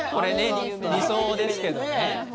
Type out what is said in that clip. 理想ですけどもね。